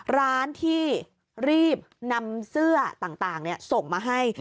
ร้านที่รีบนำเสื้อต่างส่งมาให้